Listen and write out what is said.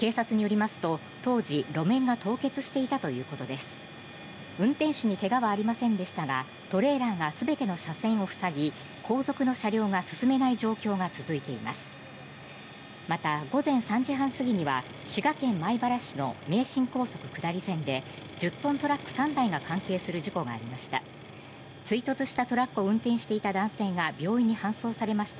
また、午前３時半過ぎには滋賀県米原市の名神高速下り線で１０トントラック３台が関係する事故がありました。